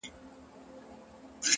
پوهه د محدودو افکارو کړکۍ پرانیزي.!